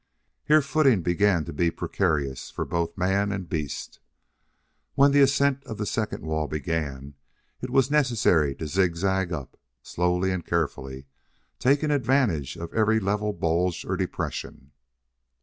Here footing began to be precarious for both man and beast. When the ascent of the second wall began it was necessary to zigzag up, slowly and carefully, taking advantage of every level bulge or depression.